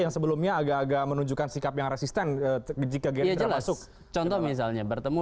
yang sebelumnya agak agak menunjukkan sikap yang resisten ketika gerindra masuk contoh misalnya bertemu